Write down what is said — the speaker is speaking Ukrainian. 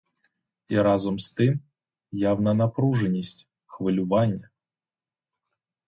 І разом з тим — явна напруженість, хвилювання.